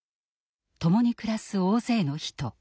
共に暮らす大勢の人。